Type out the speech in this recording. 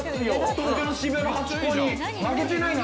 東京の渋谷のハチ公に負けてないな。